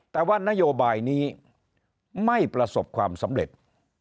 แต่ว่านโยบายนี้ไม่ประสบความสำเร็จ